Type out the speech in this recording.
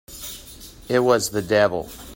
It was the devil!